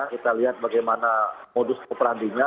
kita lihat bagaimana modus operandinya